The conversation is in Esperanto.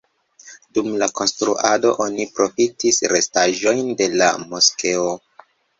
Dum la konstruado oni profitis restaĵojn de la moskeo.